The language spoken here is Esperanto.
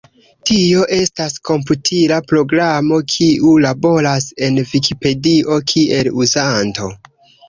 Tio estas komputila programo, kiu laboras en Vikipedio kiel uzanto.